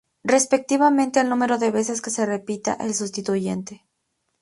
Respectivamente al número de veces que se repita el sustituyente.